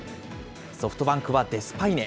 ソフトバンクはデスパイネ。